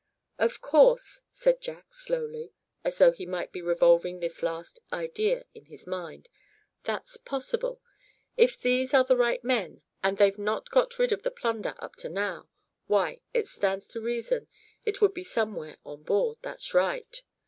"Of course," said Jack, slowly, as though he might be revolving this last idea in his mind, "that's possible. If these are the right men, and they've not got rid of the plunder up to now, why, it stands to reason it would be somewhere on board, that's right."